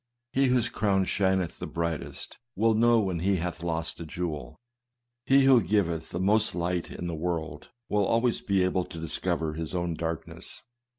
He whose crown shineth the brightest, will know when he hath lost a jewel. He who giveth the most light to the world, will always be able to discover his own darkness.